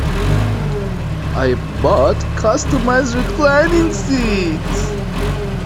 I bought customized reclining seats.